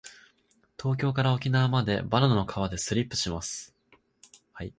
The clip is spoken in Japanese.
東京から沖縄までバナナの皮でスリップします。